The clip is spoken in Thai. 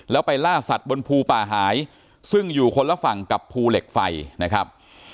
แล้วไปล่าสัตว์บนภูป่าหายซึ่งอยู่คนละฝั่งกับภูเหล็กไฟนะครับ